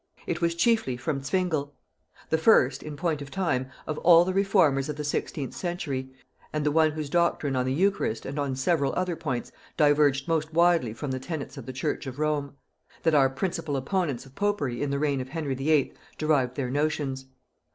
It was chiefly from Zwingle, the first, in point of time, of all the reformers of the sixteenth century, and the one whose doctrine on the eucharist and on several other points diverged most widely from the tenets of the church of Rome, that our principal opponents of popery in the reign of Henry VIII. derived their notions.